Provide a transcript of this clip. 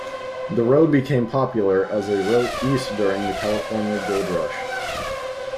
The road became popular as a route east during the California Gold Rush.